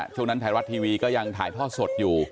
ช่วงนั้นไทยรัฐทีวีก็ยังถ่ายทอดสดอยู่